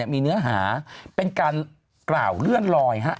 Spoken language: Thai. มีเนื้อหาเป็นการกล่าวเลื่อนลอย